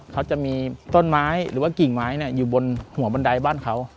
เขาจะมีต้นไม้หรือว่ากิ่งไม้อยู่บนหัวบันไดบ้านเขา